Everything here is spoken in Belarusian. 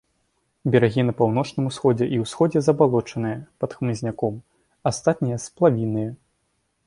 Берагі на паўночным усходзе і ўсходзе забалочаныя, пад хмызняком, астатнія сплавінныя.